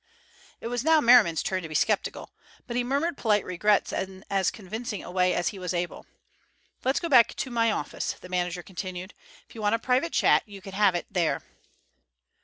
It was now Merriman's turn to be sceptical, but he murmured polite regrets in as convincing a way as he was able. "Let us go back into my office," the manager continued. "If you want a private chat you can have it there."